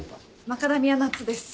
マカダミアナッツです。